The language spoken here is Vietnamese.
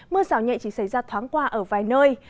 mưa rào nhẹ chỉ xảy ra thoáng qua ở vài nơi